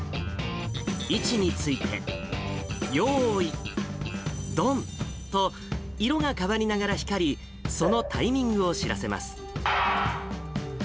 位置について、よーい、どんと、色が変わりながら光り、そのタイミングを知らせます。